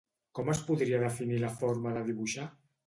Com es podria definir la forma de dibuixar?